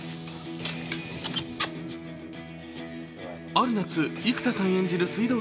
ある夏、生田さん演じる水道